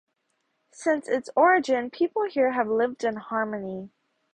Since its origin, people here have lived in harmony.